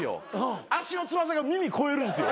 足の爪先が耳越えるんですよ。